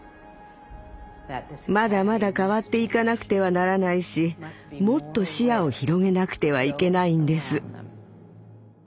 まだまだ変わっていかなくてはならないしもっと視野を広げなくてはいけないんです。